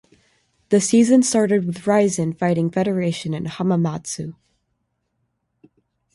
The season started with Rizin Fighting Federation in Hamamatsu.